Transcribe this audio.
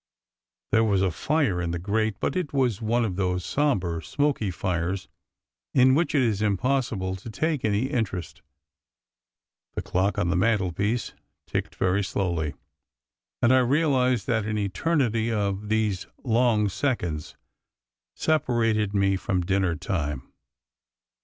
There was a fire in the grate, but it was one of those sombre, smoky fires in which it is impossible to take any interest. The clock on the mantelpiece ticked very slowly, and I realised that an eternity of these long seconds separated me from dinner time.